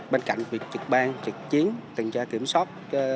bên cạnh việc trực ban trực chiến tuần tra kiểm soát